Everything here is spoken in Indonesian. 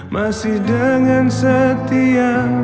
masih dengan perasaanku yang dahulu